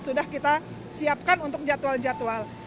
sudah kita siapkan untuk jadwal jadwal